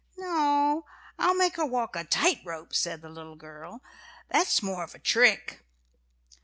"No, I'll make her walk a tight rope," said the little girl. "That's more of a trick."